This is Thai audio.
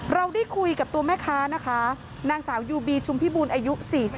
เราได้คุยกับตัวแม่ค้านะคะนางสาวยูบีชุมพิบูลอายุ๔๒